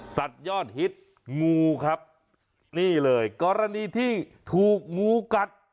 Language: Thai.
ยอดฮิตงูครับนี่เลยกรณีที่ถูกงูกัด